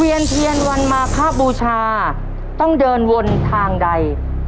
เวียนเทียนวันมาข้าบูชาต้องเดินวนทางใด